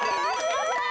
やったー！